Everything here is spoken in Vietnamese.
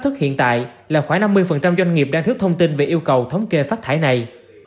thức hiện tại là khoảng năm mươi doanh nghiệp đang thiếu thông tin về yêu cầu thống kê phát thải này